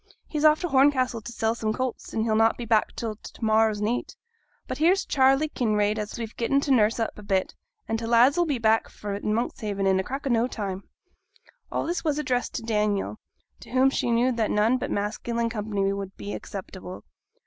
He's off to Horncastle t' sell some colts, and he'll not be back till to morrow's neet. But here's Charley Kinraid as we've getten to nurse up a bit, and' t' lads 'll be back fra' Monkshaven in a crack o' no time.' All this was addressed to Daniel, to whom she knew that none but masculine company would be acceptable.